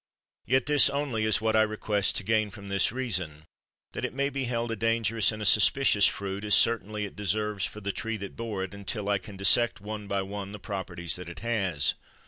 Yet this only is what I request to gain from this reason : that it may be held a dangerous and suspicious fruit, as cer tainly it deserves, for the tree that bore it, until I can dissect one by one the properties it has.